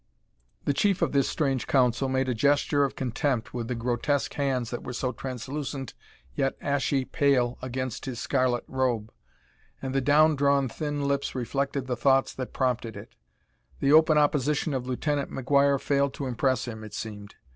The chief of this strange council made a gesture of contempt with the grotesque hands that were so translucent yet ashy pale against his scarlet robe, and the down drawn thin lips reflected the thoughts that prompted it. The open opposition of Lieutenant McGuire failed to impress him, it seemed.